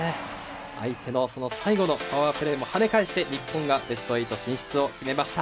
相手のパワープレーも跳ね返して、日本がベスト８進出を決めました。